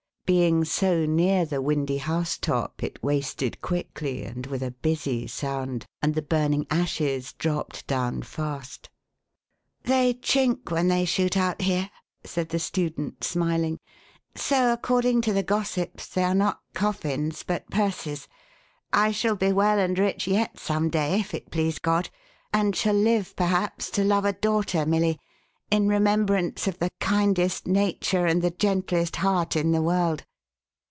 Being so near the windy house top, it wasted quickly, and with a busy sound, and the burning ashes dropped down fast. 466 THE HAUNTED MAN. "They chink when they shoot out here," said the student, smiling, "so, according to the gossips, they are not coffins, but purses. I shall be well and rich yet, some day, if it please God, and shall live perhaps to love a daughter Milly, in remembrance of the kindest nature and the gentlest heart in the world."